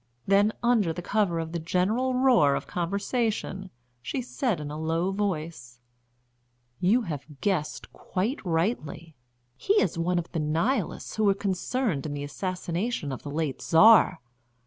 Then, under the cover of the general roar of conversation, she said in a low voice: "You have guessed quite rightly. He is one of the Nihilists who were concerned in the assassination of the late Czar."